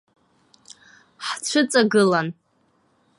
Ҳцәыҵагылан.